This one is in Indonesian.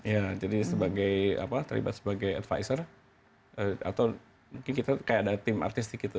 ya jadi sebagai apa terlibat sebagai advisor atau mungkin kita kayak ada tim artistik gitu